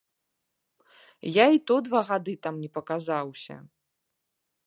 Я і то два гады там не паказаўся.